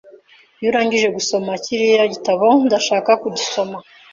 Iyo urangije gusoma kiriya gitabo, ndashaka kugisoma.